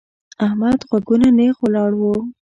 احمد غوږونه نېغ ولاړ وو.